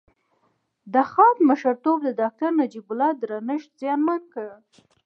د خاد مشرتوب د داکتر نجيب الله درنښت زیانمن کړ